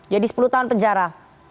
jadi sepuluh tahun penjara